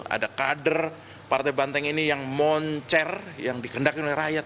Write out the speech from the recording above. ada kader partai banteng ini yang moncer yang dikendaki oleh rakyat